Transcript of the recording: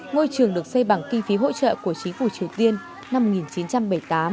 ngôi trường được xây bằng kinh phí hỗ trợ của chính phủ triều tiên năm một nghìn chín trăm bảy mươi tám